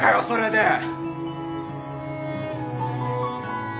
それで。